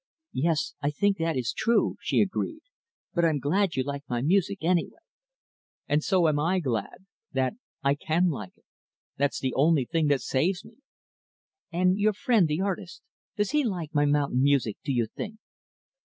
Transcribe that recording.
"Yes. I think that is true," she agreed. "But I'm glad you like my music, anyway." "And so am I glad that I can like it. That's the only thing that saves me." "And your friend, the artist, does he like my mountain music, do you think?"